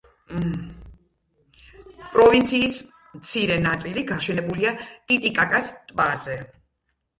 პროვინციას მცირე ნაწილი გაშენებულია ტიტიკაკას ტბაზე.